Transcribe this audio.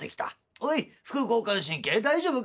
おい副交感神経大丈夫かい？」。